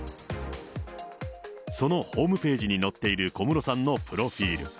そのホームページに載っている小室さんのプロフィール。